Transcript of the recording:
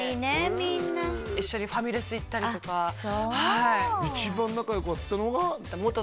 みんな一緒にファミレス行ったりとかあっそうはい一番仲よかったのが？